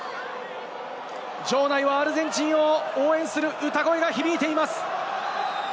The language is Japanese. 場内はアルゼンチンを応援する歌声が響いています。